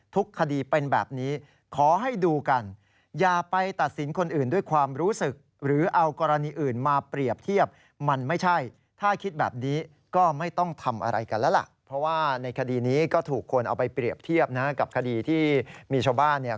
ทุกคนเอาไปเปรียบเทียบนะฮะกับคดีที่มีชาวบ้านเนี่ย